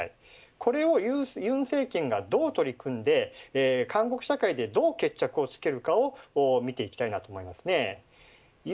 これを尹政権がどう取り組んで韓国社会でどう決着をつけるかを見ていきたいと思います。